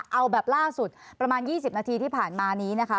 เอาแบบล่าสุดประมาณ๒๐นาทีที่ผ่านมานี้นะคะ